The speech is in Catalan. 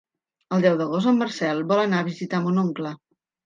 El deu d'agost en Marcel vol anar a visitar mon oncle.